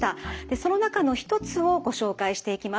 その中の一つをご紹介していきます。